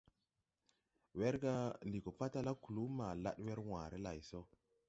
Werga ndi go patala kluu ma lad wer wããre lay so.